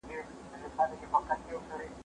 زه به سبا د لوبو لپاره وخت ونيسم؟